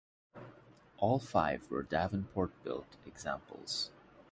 All five were Davenport-built examples.